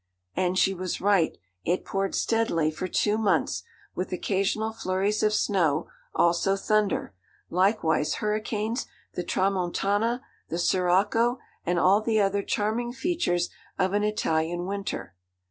And she was right. It poured steadily for two months, with occasional flurries of snow, also thunder, likewise hurricanes, the tramontàna, the sirocco, and all the other charming features of an Italian winter.